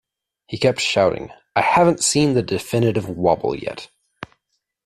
He kept shouting, 'I haven't seen the definitive wobble yet!'.